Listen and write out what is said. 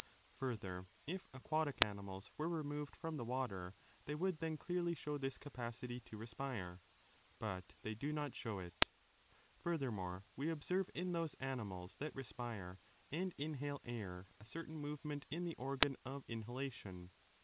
Further, if aquatic animals were re moved from the water they would then clearly show this 2 capacity to respire ; but they do not show it Further more, we observe in those animals that respire and inhale air a certain movement in the organ of inhala tion.